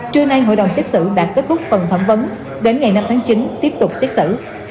trưa nay hội đồng xét xử đã kết thúc phần thẩm vấn đến ngày năm tháng chín tiếp tục xét xử